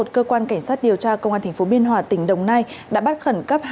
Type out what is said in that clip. cơ quan cảnh sát điều tra công an tp biên hòa tỉnh đồng nai đã bắt khẩn cấp